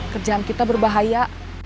kerjaan kita berbahaya